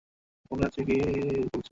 মনে আছে যী কী বলেছিল?